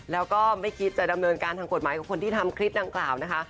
แล้วก็ไม่คิดจะดำเนินการทางกฎหมายกับคนที่ทำคลิปดังกล่าวนะคะ